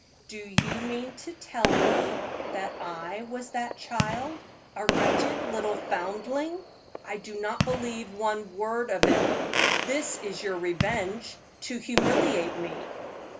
"Do you mean to tell me that I was that child? A wretched little foundling! I do not believe one word of it. This is your revenge to humiliate me."